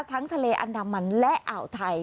ทั้งทะเลอันดามันและอ่าวไทย